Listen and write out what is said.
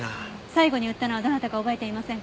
最後に売ったのはどなたか覚えていませんか？